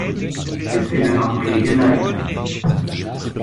Ist sie denn auch pflegeleicht?